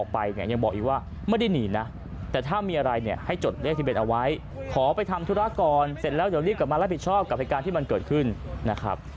พอที่มันเกิดขึ้นนะครับ